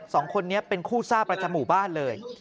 สองคนนี้เป็นคู่ซ่าประจำหมู่บ้านเลย